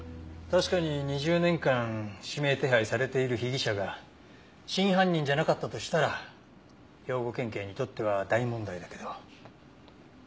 確かに２０年間指名手配されている被疑者が真犯人じゃなかったとしたら兵庫県警にとっては大問題だけど。